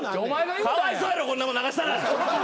かわいそうやろこんなもん流したら。